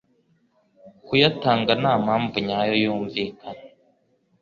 kuyatanga nta mpamvu nyayo yumvikana